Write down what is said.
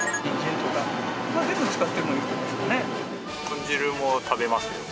豚汁も食べますよ。